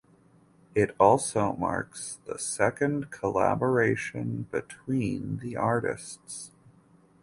It also marks the second collaboration between the artists.